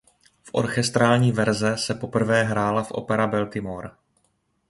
V orchestrální verze se poprvé hrála v Opera Baltimore.